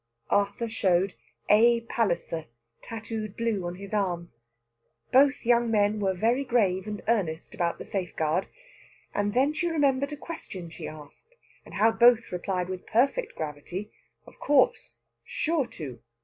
Arthur showed "A. Palliser," tattooed blue on his arm. Both young men were very grave and earnest about the safeguard. And then she remembered a question she asked, and how both replied with perfect gravity: "Of course, sure to!"